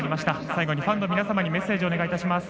最後にファンの皆様にメッセージお願いします。